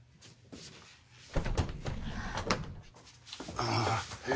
ああ。